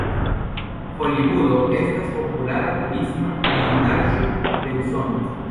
Holivudo estas populara turisma vidindaĵo de Usono.